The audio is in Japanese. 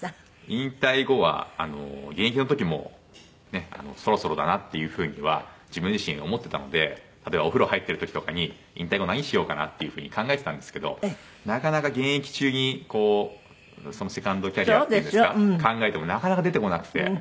引退後は現役の時もそろそろだなっていう風には自分自身思ってたので例えばお風呂入ってる時とかに引退後何しようかなっていう風に考えてたんですけどなかなか現役中にセカンドキャリアっていうんですか考えてもなかなか出てこなくて。